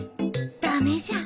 ダメじゃん。